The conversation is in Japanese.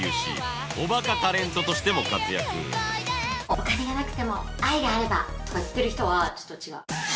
「お金がなくても愛があれば」とか言ってる人はちょっと違う。